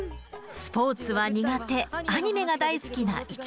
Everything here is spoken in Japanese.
スポーツは苦手アニメが大好きな１年生です。